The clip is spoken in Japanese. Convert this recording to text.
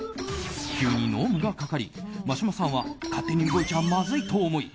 急に濃霧がかかり、眞島さんは勝手に動いちゃまずいと思い